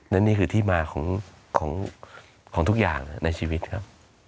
นี่คือที่มาของทุกอย่างในชีวิตครับ